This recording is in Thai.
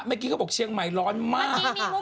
ไม่กี้ก็บอกเชียงใหม่ร้อนมาก